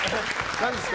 何ですか？